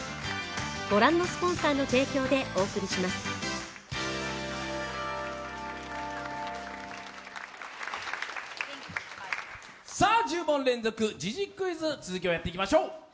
三菱電機１０問連続時事クイズ、続きをやっていきいましょう。